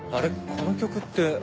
この曲って。